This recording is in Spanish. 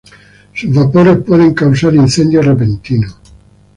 Sus vapores pueden causar incendio repentino.